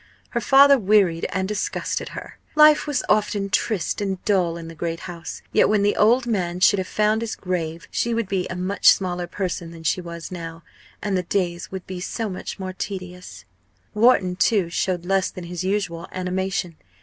Her father wearied and disgusted her. Life was often triste and dull in the great house. Yet, when the old man should have found his grave, she would be a much smaller person than she was now, and the days would be so much the more tedious. Wharton, too, showed less than his usual animation.